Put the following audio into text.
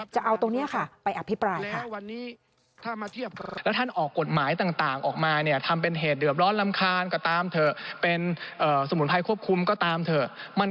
จะเอาตรงนี้ไปอภิปราย